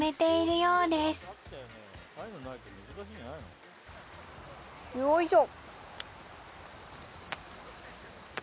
よいしょっ。